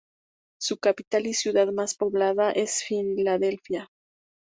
Su capital y ciudad más poblada es Filadelfia.